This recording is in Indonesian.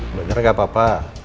bener gak apa apa